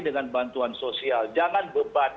dengan bantuan sosial jangan beban